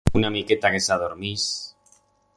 Una miqueta que s'adormís...